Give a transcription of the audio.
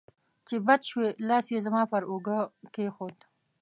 چې بچ شوې، لاس یې زما پر اوږه کېښود.